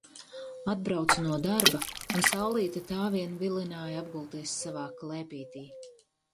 Atbraucu no darba un saulīte tā vien vilināja apgulties savā klēpītī.